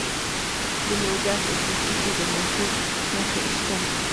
د لوګر په خوشي کې د مسو نښې شته.